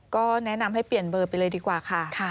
ก็แนะนำให้เปลี่ยนเบอร์ไปเลยดีกว่าค่ะ